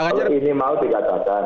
kalau ini mau dikatakan